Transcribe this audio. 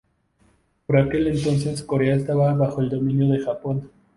Por aquel entonces Corea estaba bajo el dominio de Japón.